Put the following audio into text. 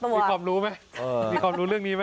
มีความรู้มั้ยมีความรู้เรื่องนี้มั้ย